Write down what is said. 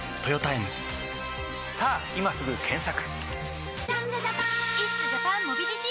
さぁ今すぐ検索！